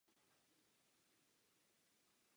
Tento projev bohužel neměl téměř žádné důsledky.